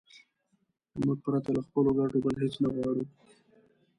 موږ پرته له خپلو ګټو بل هېڅ نه غواړو.